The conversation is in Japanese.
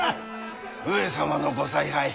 上様のご采配